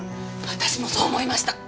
私もそう思いました！